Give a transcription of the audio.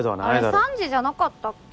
あれ３時じゃなかったっけ？